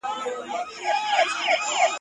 جهاني اوس دي سندري لکه ساندي پر زړه اوري ..